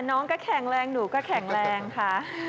น้องก็แข็งแรงหนูก็แข็งแรงค่ะ